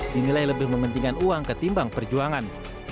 yang nilai lebih mementingkan uang ketimbang perjuangan